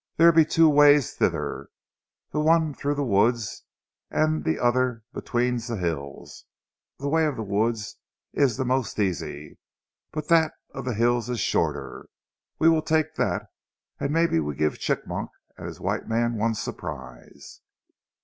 There be two ways thither, the one through zee woods an' zee oder between zee hills. Zee way of zee woods ees zee mos' easy, but dat of zee hills ees shorter. We weel take dat, an' maybe we give Chigmok and his white man one surprise."